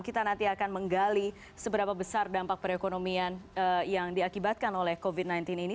kita nanti akan menggali seberapa besar dampak perekonomian yang diakibatkan oleh covid sembilan belas ini